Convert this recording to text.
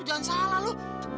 jangan salah lu